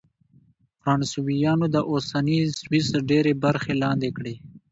فرانسویانو د اوسني سویس ډېرې برخې لاندې کړې.